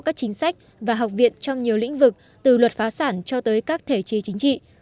các chính sách và học viện trong nhiều lĩnh vực từ luật phá sản cho tới các thể chế chính trị